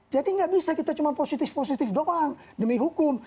jadi nggak bisa kita cuma positif positif doang demi hukum